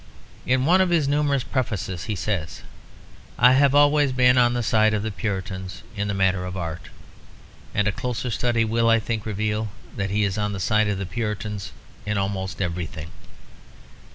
In one of his numerous prefaces he says, "I have always been on the side of the Puritans in the matter of Art"; and a closer study will, I think, reveal that he is on the side of the Puritans in almost everything.